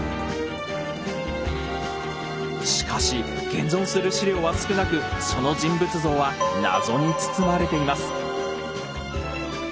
しかし現存する史料は少なくその人物像は謎に包まれています。